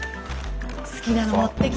好きなの持ってきた。